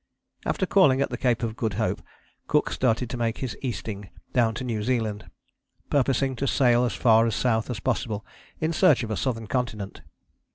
After calling at the Cape of Good Hope Cook started to make his Easting down to New Zealand, purposing to sail as far south as possible in search of a southern continent.